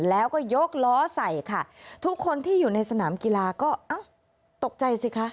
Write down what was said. แล้วก็ยกล้อใส่ค่ะทุกคนที่อยู่ในสนามกีฬาก็เอ้าตกใจสิคะ